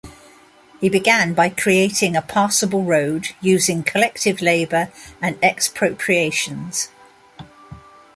He began by creating a passable road using collective labour and expropriations.